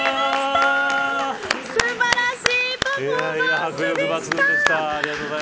素晴らしいパフォーマンスでした。